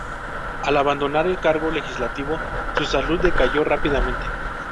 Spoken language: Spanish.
Al abandonar el cargo legislativo, su salud decayó rápidamente.